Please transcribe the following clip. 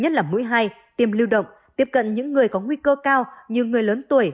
nhất là mũi hai tiêm lưu động tiếp cận những người có nguy cơ cao như người lớn tuổi